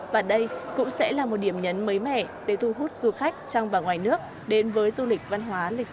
và đây cũng sẽ là một điểm nhấn mới mẻ để thu hút du khách trong và ngoài nước đến với du lịch văn hóa lịch sử